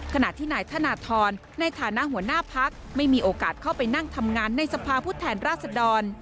ขณะที่นายธนทรในฐานะหัวหน้าพักไม่มีโอกาสเข้าไปนั่งทำงานในสภาพุทธแทนราษดร